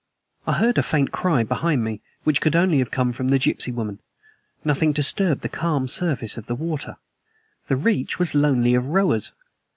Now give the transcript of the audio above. I heard a faint cry behind me, which could only have come from the gypsy woman. Nothing disturbed the calm surface of the water. The reach was lonely of rowers.